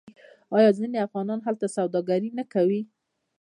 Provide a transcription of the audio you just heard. آیا ځینې افغانان هلته سوداګري نه کوي؟